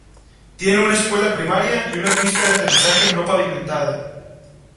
Tiene una escuela primaria y una pista de aterrizaje no pavimentada.